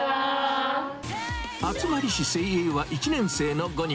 集まりし精鋭は１年生の５人。